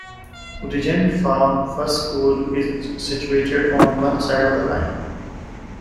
Regent Farm First School is situated on one side of the line.